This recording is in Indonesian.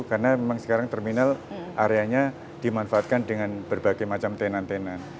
karena memang sekarang terminal areanya dimanfaatkan dengan berbagai macam tenan tenan